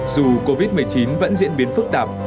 dù covid một mươi chín vẫn diễn biến phức tạp